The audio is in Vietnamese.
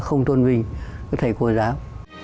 không tôn minh thầy của giáo